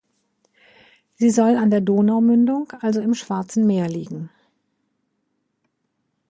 Sie soll an der Donaumündung, also im Schwarzen Meer, liegen.